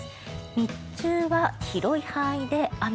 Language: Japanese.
日中は広い範囲で雨。